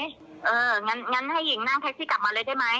ได้ครับพี่ไม่ต้องพวกใครมาส่งไหมไอ้ของมายดิสะวีน